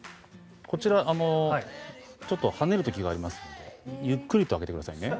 こちらちょっと跳ねる時がありますのでゆっくりと開けてくださいね。